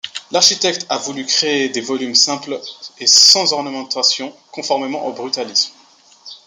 L'architecte a voulu créer des volumes simples et sans ornementation, conformément au brutalisme.